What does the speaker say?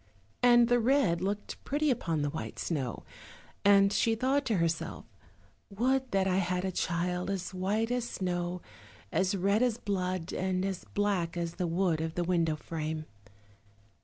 And the red looked pretty upon the white snow, and she thought to herself, "Would that I had a child as white as snow, as red as blood, and as black as the wood of the window frame."